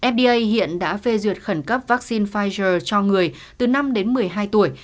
fda hiện đã phê duyệt khẩn cấp vaccine pfizer cho người từ năm đến một mươi hai tuổi